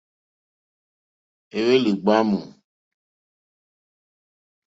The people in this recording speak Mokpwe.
Éhwélì ɡbǎmù.